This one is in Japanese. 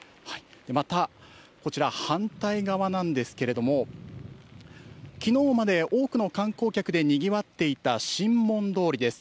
また、こちら、反対側なんですけれども、きのうまで多くの観光客でにぎわっていた神門通りです。